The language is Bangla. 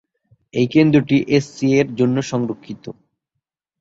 এই কেন্দ্রটি এসসি এর জন্য সংরক্ষিত।